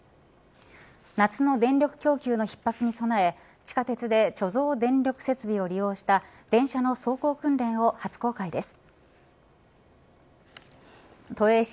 夏の電力供給の逼迫に備え地下鉄で貯蔵電力設備を利用した電車の走行訓練を初公開です。